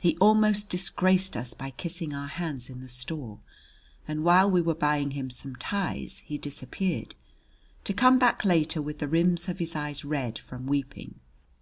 He almost disgraced us by kissing our hands in the store, and while we were buying him some ties he disappeared to come back later with the rims of his eyes red from weeping.